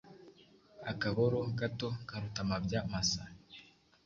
Akaboro, gato karuta amabya masa.